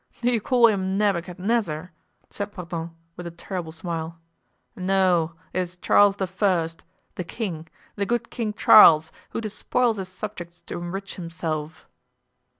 "Do you call him Nebuchadnezzar?" said Mordaunt, with a terrible smile; "no, it is Charles the First, the king, the good King Charles, who despoils his subjects to enrich himself."